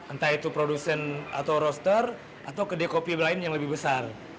entah itu produsen atau roster atau kedai kopi lain yang lebih besar